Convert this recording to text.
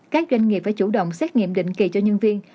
các doanh nghiệp phải chủ động xét nghiệm định kỳ cho nhân viên